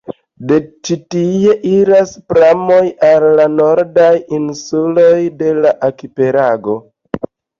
De ĉi tie iras pramoj al la nordaj insuloj de la arkipelago.